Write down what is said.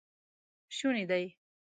شونی دی